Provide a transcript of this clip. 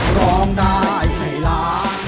ร้องได้ให้ล้าน